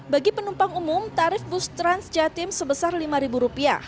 bagi penumpang umum tarif bus trans jatim sebesar lima ribu rupiah